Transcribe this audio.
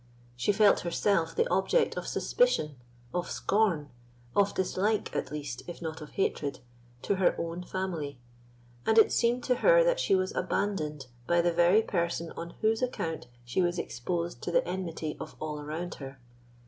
She felt herself the object of suspicion, of scorn, of dislike at least, if not of hatred, to her own family; and it seemed to her that she was abandoned by the very person on whose account she was exposed to the enmity of all around her.